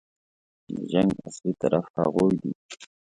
د جنګ اصلي طرف هغوی دي.